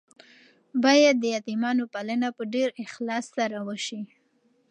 باید د یتیمانو پالنه په ډیر اخلاص سره وشي.